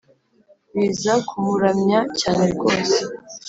biza kumuramya cyane rwose